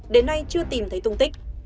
đến nay chưa tìm thấy tung tích